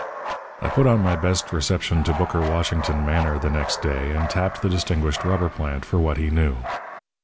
"I put on my best reception to Booker Washington manner the next day and tapped the distinguished rubber plant for what he knew.